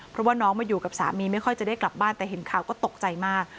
เพราะว่าน้องมาอยู่กับสามีไม่ค่อยจะได้กลับบ้านแต่เห็นข่าวก็ตกใจมาก